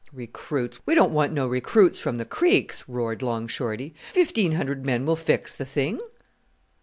"Recruits! We don't want no recruits from the creeks," roared Long Shorty. "Fifteen hundred men will fix the thing."